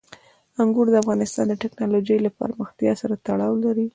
انګور د افغانستان د تکنالوژۍ له پرمختګ سره تړاو لري.